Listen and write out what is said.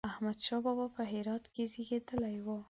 احمد شاه بابا په هرات کې زېږېدلی و